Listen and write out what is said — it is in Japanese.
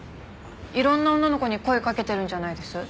いろんな女の子に声かけてるんじゃないです？